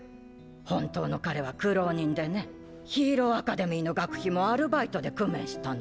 本当の彼は苦労人でねヒーローアカデミーの学費もアルバイトで工面したの。